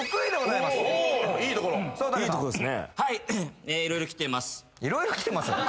いろいろきてます？